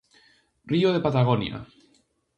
Río de Patagonia.